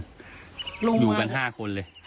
อยู่กัน๕คนเลย